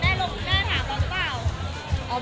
แต่ก่อนแม่ลงหน้าถามแล้วเปล่า